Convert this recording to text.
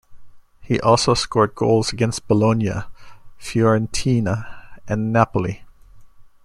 He also scored goals against Bologna, Fiorentina and Napoli.